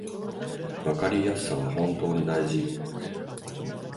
わかりやすさは本当に大事